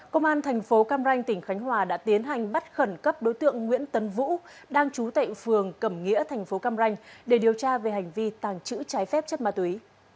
công an tp cam ranh tỉnh khánh hòa đã tiến hành bắt khẩn cấp đối tượng nguyễn tấn vũ đang trú tại phường cầm nghĩa tp cam ranh để điều tra về hành vi tàng trữ trái phép chất ma túy